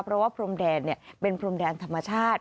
เพราะว่าพรมแดนเป็นพรมแดนธรรมชาติ